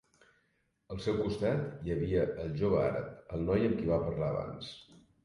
Al seu costat hi havia el jove àrab, el noi amb qui va parlar abans.